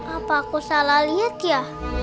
apa aku salah lihat ya